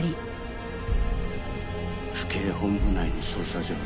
府警本部内の捜査情報